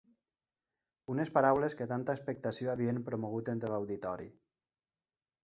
Unes paraules que tanta expectació havien promogut entre l'auditori.